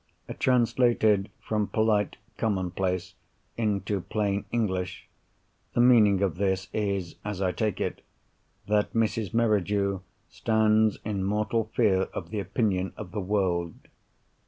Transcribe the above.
Translated from polite commonplace into plain English, the meaning of this is, as I take it, that Mrs. Merridew stands in mortal fear of the opinion of the world.